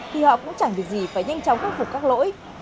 thì họ cũng chẳng việc gì phải nhanh chóng khắc phục các lỗi